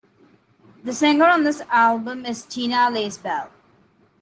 The singer on this album is Tina Lacebal.